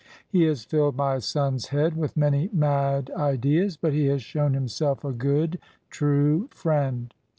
"He has filled my son's head with many mad ideas, but he has shown himself a good, true friend.